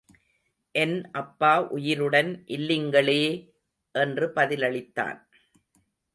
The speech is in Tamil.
என் அப்பா உயிருடன் இல்லிங்களே! என்று பதிலளித்தான்.